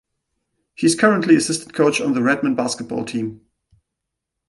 He is currently assistant coach on the Redmen Basketball Team.